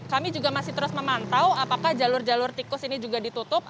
kami juga masih terus memantau apakah jalur jalur tikus ini juga ditutup